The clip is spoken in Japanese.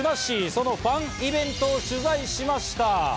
そのファンイベントを取材しました。